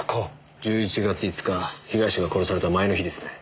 １１月５日被害者が殺された前の日ですね。